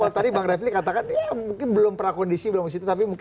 kalau tadi bang refli katakan ya mungkin belum prakondisi belum ke situ